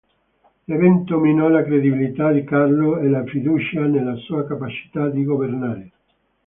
L'evento minò la credibilità di Carlo e la fiducia nella sua capacità di governare.